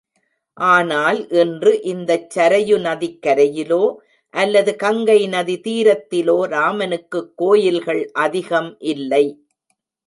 ஆனால் இன்று இந்தச் சரயு நதிக்கரையிலோ அல்லது கங்கை நதி தீரத்திலோ ராமனுக்குக் கோயில்கள் அதிகம் இல்லை.